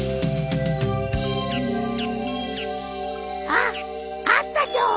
あっあったじょ。